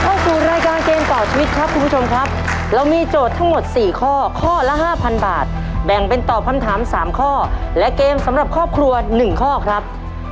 เข้าสู่รายการเกมต่อชีวิตครับคุณผู้ชมครับเรามีโจทย์ทั้งหมด๔ข้อข้อละ๕๐๐บาทแบ่งเป็นตอบคำถาม๓ข้อและเกมสำหรับครอบครัว๑ข้อครับ